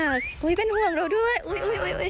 เอาค่ะอุ๊ยเป็นห่วงเราด้วยอุ๊ย